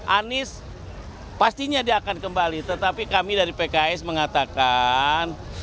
anies pastinya dia akan kembali tetapi kami dari pks mengatakan